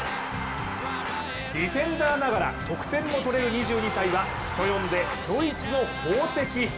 ディフェンダーながら得点もとれる２２歳は人呼んで、ドイツの宝石。